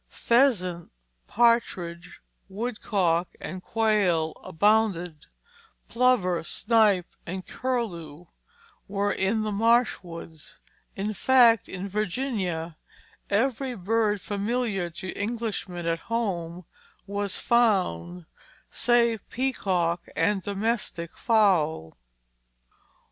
Pheasant, partridge, woodcock, and quail abounded, plover, snipe, and curlew were in the marsh woods; in fact, in Virginia every bird familiar to Englishmen at home was found save peacock and domestic fowl.